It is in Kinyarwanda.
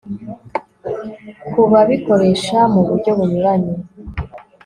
ku babikoresha mu buryo bunyuranye